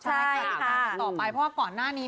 ใช่ค่ะต่อไปครับก่อนหน้านี้นะ